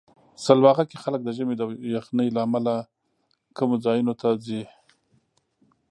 سلواغه کې خلک د ژمي د یخنۍ له امله کمو ځایونو ته ځي.